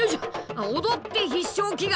踊って必勝祈願！